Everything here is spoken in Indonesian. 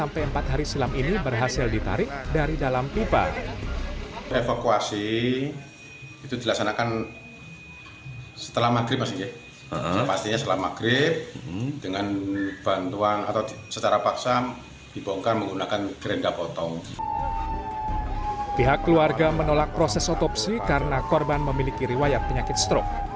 pihak keluarga menolak proses otopsi karena korban memiliki riwayat penyakit strok